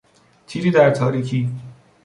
تیری در تاریکی